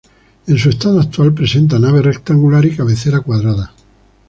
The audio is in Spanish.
En su estado actual presenta nave rectangular y cabecera cuadrada.